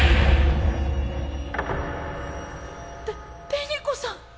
べ紅子さん！